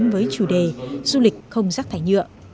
với chủ đề du lịch không rác thải nhựa